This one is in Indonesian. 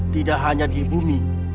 tidak hanya di bumi